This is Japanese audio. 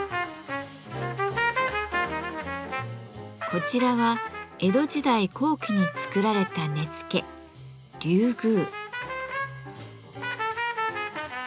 こちらは江戸時代後期に作られた根付「龍宮」。